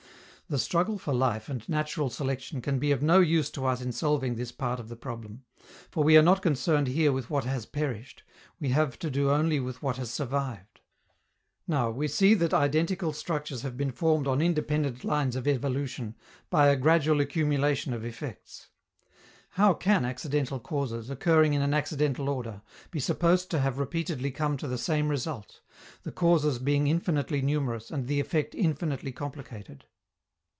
The struggle for life and natural selection can be of no use to us in solving this part of the problem, for we are not concerned here with what has perished, we have to do only with what has survived. Now, we see that identical structures have been formed on independent lines of evolution by a gradual accumulation of effects. How can accidental causes, occurring in an accidental order, be supposed to have repeatedly come to the same result, the causes being infinitely numerous and the effect infinitely complicated?